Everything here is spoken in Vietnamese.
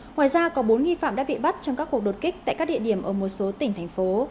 ngoài ra có bốn nghi phạm đã bị bắt trong các cuộc đột kích tại các địa điểm ở một số tỉnh thành phố